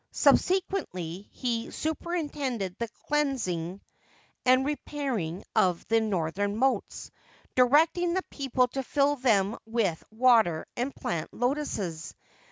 Subsequently he superintended the cleansing and repairing of the northern moats, directing the people to fill them with water and plant lotuses.